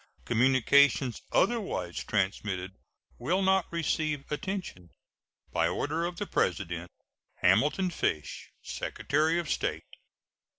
Communications otherwise transmitted will not receive attention. By order of the President: HAMILTON FISH, Secretary of State.